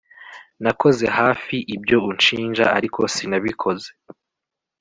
Nakoze hafi ibyo unshinja ariko sinabikoze